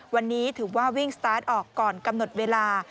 วันนี้ถือว่าวิ่งสตาร์ทออกก่อนกำหนดเวลา